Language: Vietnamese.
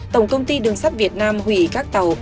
tổng công ty đường sắt việt nam hủy các tàu